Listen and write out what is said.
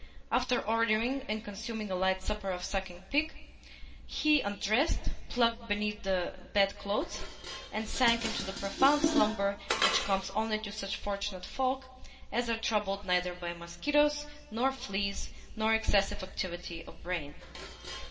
After ordering and consuming a light supper of sucking pig, he undressed, plunged beneath the bedclothes, and sank into the profound slumber which comes only to such fortunate folk as are troubled neither with mosquitoes nor fleas nor excessive activity of brain.